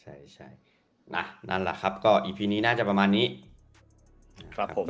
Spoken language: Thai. ใช่ใช่นะนั่นแหละครับก็อีพีนี้น่าจะประมาณนี้ครับผม